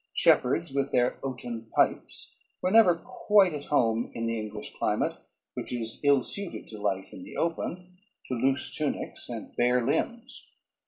Shepherds with their oaten pipes were never quite at home in the English climate, which is ill suited to life in the open, to loose tunics, and bare limbs.